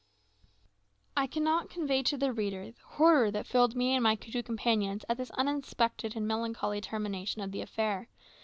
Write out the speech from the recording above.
I cannot convey to the reader the horror that filled me and my two companions at this unexpected and melancholy termination of the affair.